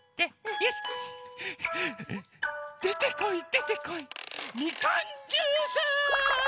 よし！でてこいでてこいみかんジュース！